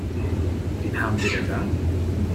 Wen haben wir denn da?